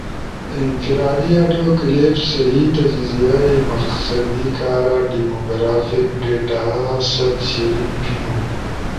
انفرادی آڈیو کلپس صحیح تجزیہ ئی مقصدی کارا ڈیمو گرافک ڈیٹا ست شریک بینو۔